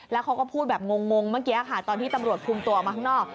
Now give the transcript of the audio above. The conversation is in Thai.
แล้วเขาก็พูดแบบงงเมื่อกี้ค่ะตอนที่ตำรวจคุมตัวออกมาข้างนอก